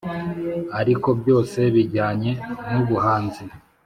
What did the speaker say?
ariko byose bijyanye n’ubuhanzi.